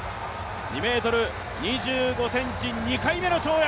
２ｍ２５ｃｍ、２回目の跳躍。